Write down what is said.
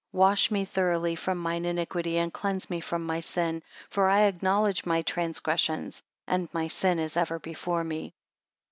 26 Wash me thoroughly from mine iniquity, and cleanse me from my sin. For I acknowledge my transgressions, and my sin is ever before me.